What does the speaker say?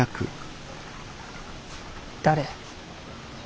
誰？